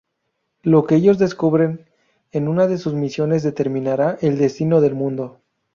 Lo que ellos descubren en una de sus misiones determinará el destino del mundo...